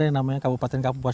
namanya kabupaten kapuas